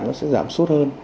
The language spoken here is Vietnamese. nó sẽ giảm suốt hơn